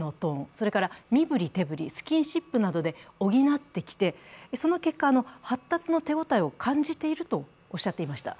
それから身振り手振り、スキンシップなどで補ってきて、その結果発達の手応えを感じてきているとおっしゃっていました。